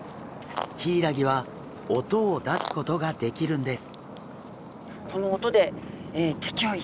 ヒイラギは音を出すことができるんです。